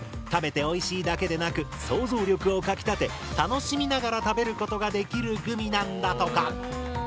食べておいしいだけでなく想像力をかきたて楽しみながら食べることができるグミなんだとか。